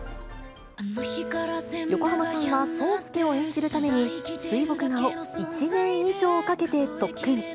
横浜さんは霜介を演じるために、水墨画を１年以上かけて特訓。